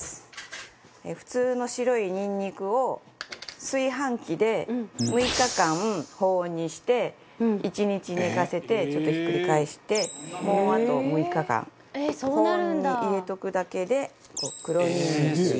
普通の白いにんにくを炊飯器で６日間保温にして１日寝かせてちょっとひっくり返してもう、あと６日間保温に入れとくだけで黒にんにく。